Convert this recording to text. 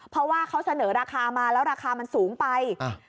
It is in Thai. เพราะว่าเขาเสนอราคามาแล้วราคามันสูงไป